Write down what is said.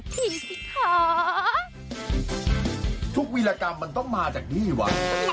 ทุกวิรากรรมมันต้องมาจากนี่หวะ